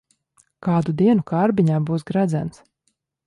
Kādu dienu kārbiņā būs gredzens.